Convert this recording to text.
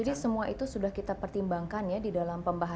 jadi semua itu sudah kita pertimbangkan ya di dalam perkembangan